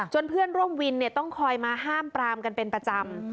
เพื่อนร่วมวินต้องคอยมาห้ามปรามกันเป็นประจำ